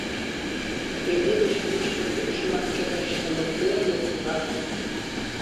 Пеледыш мучко мӱкш-влак чоҥештылыт, пӧрдыт, мурат: